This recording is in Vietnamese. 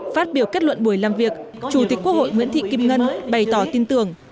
phát biểu kết luận buổi làm việc chủ tịch quốc hội nguyễn thị kim ngân bày tỏ tin tưởng